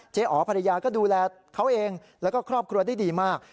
อ๋อภรรยาก็ดูแลเขาเองแล้วก็ครอบครัวได้ดีมาก